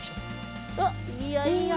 おっいいよいいよ。